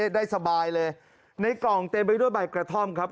ได้สบายเลยในกล่องเต็มไปด้วยใบกระท่อมครับ